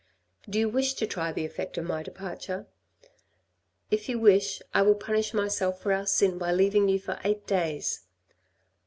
Do you wish to try the effect of my departure. If you wish, I will punish myself for our sin by leaving you for eight days.